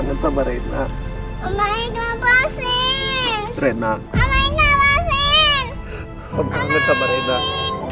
lepas sini gak lepas sini gak